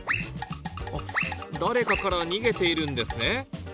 あっ誰かから逃げているんですね